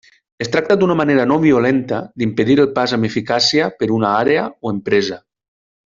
Es tracta d'una manera no-violenta d'impedir el pas amb eficàcia per una àrea o empresa.